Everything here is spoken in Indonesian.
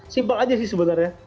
simple aja sih sebenarnya